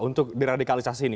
untuk diradikalisasi ini